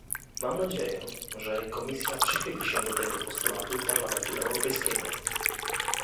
Mam nadzieję, że Komisja przychyli się do tego postulatu Parlamentu Europejskiego